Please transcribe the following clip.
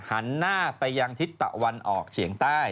หันหน้าไปยังทิศตะวันออกเฉียงใต้